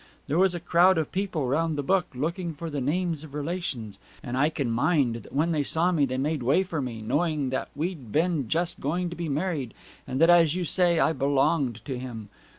There was a crowd of people round the book, looking for the names of relations; and I can mind that when they saw me they made way for me knowing that we'd been just going to be married and that, as you may say, I belonged to him.